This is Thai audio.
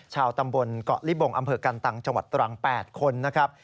ชาวตำบลเกาะลิบงอำเภอกันตังจังหวัดตรัง๘คนนะครับ